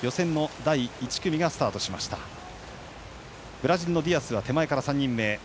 ブラジルのディアスは手前から３人目。